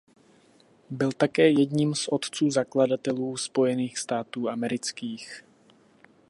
Byl také jedním z otců zakladatelů Spojených států amerických.